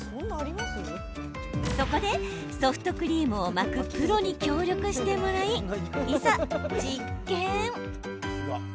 そこでソフトクリームを巻くプロに協力してもらい、いざ実験。